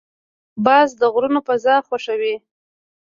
باز د غرونو فضا خوښوي